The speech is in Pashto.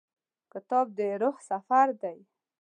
کتاب د روح سفر دی.